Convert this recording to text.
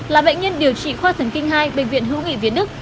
là bệnh nhân điều trị khoa thần kinh hai bệnh viện hữu nghị việt đức